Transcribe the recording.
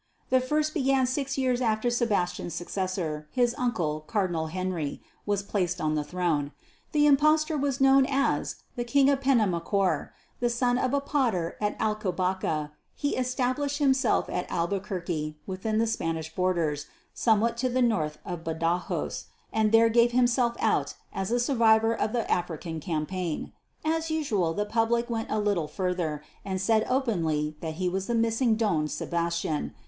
The first began six years after Sebastian's successor his uncle, Cardinal Henry was placed on the throne. The impostor was known as the "King of Penamacor." The son of a potter at Alcobaca, he established himself at Albuquerque, within the Spanish borders, somewhat to the north of Badajos, and there gave himself out as "a survivor of the African Campaign." As usual the public went a little further and said openly that he was the missing Don Sebastian.